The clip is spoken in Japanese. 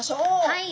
はい。